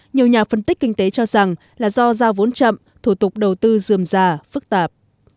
nhiều nhà phân tích kinh tế cho rằng là do giao vốn chậm thủ tục đầu tư dườm già phức tạp